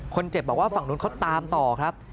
คนเจ็บบอกว่าฝั่งนู้นเขาตามต่อครับ